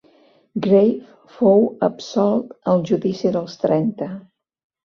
Grave fou absolt al "Judici dels trenta".